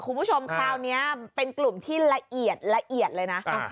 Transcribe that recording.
คุณผู้ชมคราวนี้เป็นกลุ่มที่ละเอียดละเอียดเลยนะ